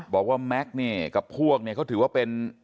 บอกว่าแม็กซ์เนี่ยกับพวกเนี่ยเขาถือว่าเป็น